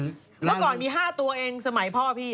เมื่อก่อนมี๕ตัวเองสมัยพ่อพี่